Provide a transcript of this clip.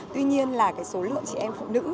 tuy nhiên là số lượng chị em phụ nữ